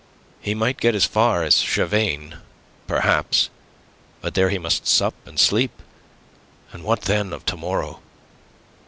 He might get as far as Chavagne, perhaps. But there he must sup and sleep; and what, then, of to morrow?